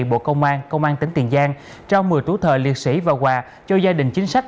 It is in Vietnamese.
bộ công an công an tỉnh tiền giang trao một mươi tuổi thờ liệt sĩ và quà cho gia đình chính sách